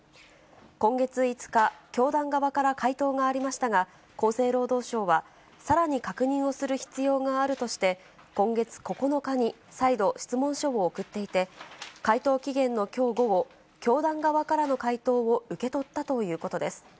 今月５日、教団側から回答がありましたが、厚生労働省は、さらに確認をする必要があるとして、今月９日に再度、質問書を送っていて、回答期限のきょう午後、教団側からの回答を受け取ったということです。